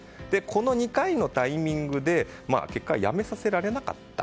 この２回のタイミングで結果、辞めさせられなかった。